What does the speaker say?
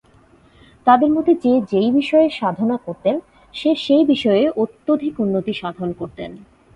তাদের মধ্যে যে যেই বিষয়ে সাধনা করতেন সে সেই বিষয়ে অত্যধিক উন্নতি সাধন করতেন।